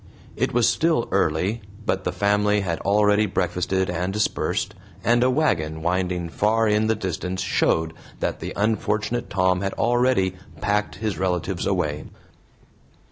It was still early, but the family had already breakfasted and dispersed, and a wagon winding far in the distance showed that the unfortunate Tom had already "packed" his relatives away.